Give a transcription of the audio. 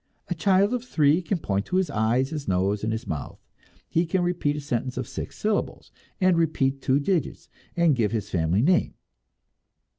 A child of three can point to his eyes, his nose and his mouth; he can repeat a sentence of six syllables, and repeat two digits, and give his family name.